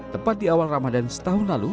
tepat di awal ramadan setahun lalu